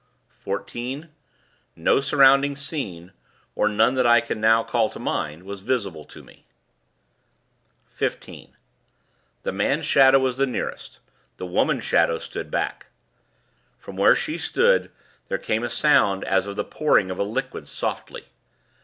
"14. No surrounding scene (or none that I can now call to mind) was visible to me. "15. The Man Shadow was the nearest; the Woman Shadow stood back. From where she stood, there came a sound as of the pouring of a liquid softly.